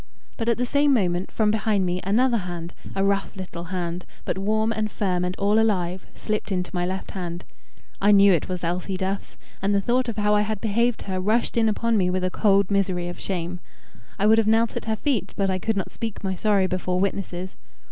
But at the same moment, from behind me another hand, a rough little hand, but warm and firm and all alive, slipped into my left hand. I knew it was Elsie Duff's, and the thought of how I had behaved to her rushed in upon me with a cold misery of shame. I would have knelt at her feet, but I could not speak my sorrow before witnesses.